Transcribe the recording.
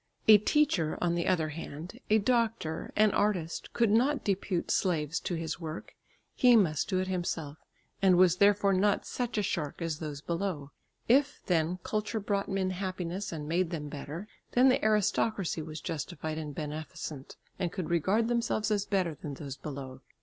A teacher, on the other hand, a doctor, an artist, could not depute slaves to his work; he must do it himself, and was therefore not such a shark as those below. If, then, culture brought men happiness and made them better, then the aristocracy were justified and beneficent, and could regard themselves as better than those below.